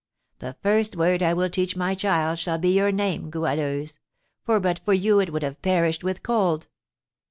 The first word I will teach my child shall be your name, Goualeuse; for but for you it would have perished with cold."